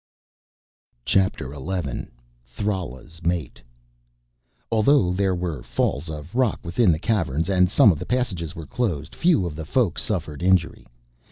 CHAPTER ELEVEN Thrala's Mate Although there were falls of rock within the Caverns and some of the passages were closed, few of the Folk suffered injury.